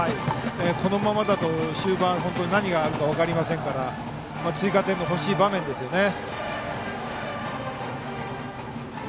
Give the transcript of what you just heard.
このままだと終盤、本当に何があるか分かりませんから追加点の欲しい場面ですね。